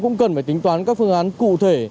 cũng cần phải tính toán các phương án cụ thể